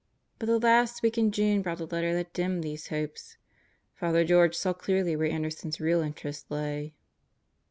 But the last week in June brought a letter that dimmed these hopes. Father George saw clearly where Anderson's real interest lay.